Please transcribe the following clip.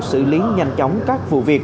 xử lý nhanh chóng các vụ